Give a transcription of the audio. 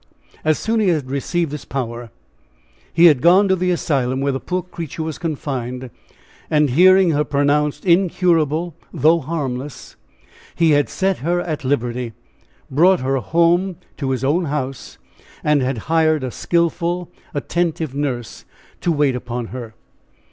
As soon as he had received this power, he had gone to the asylum, where the poor creature was confined, and hearing her pronounced incurable, though harmless, he had set her at liberty, brought her home to his own house, and had hired a skillful, attentive nurse to wait upon her.